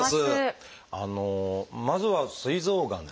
まずは「すい臓がん」。